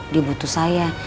dia butuh saya